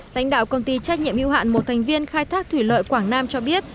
lãnh đạo công ty trách nhiệm yêu hạn một thành viên khai thác thủy lợi quảng nam cho biết